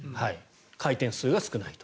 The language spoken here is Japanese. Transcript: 回転数が少ない。